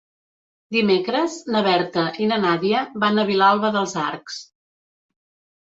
Dimecres na Berta i na Nàdia van a Vilalba dels Arcs.